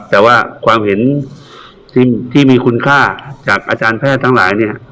แต่ว่าความเห็นที่มีคุณค่าจากอาจารย์แพทย์ทั้งหลายเนี่ย